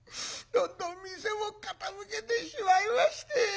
どんどん店を傾けてしまいまして。